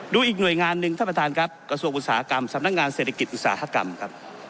ดูอีกหน่วยงานหนึ่งท่านประธานครับกระทรวงอุตสาหกรรมสำนักงานเศรษฐกิจอุตสาหกรรมครับ